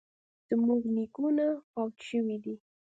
زموږ نیکونه فوت شوي دي